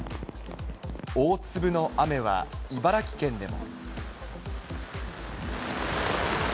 大粒の雨は茨城県でも。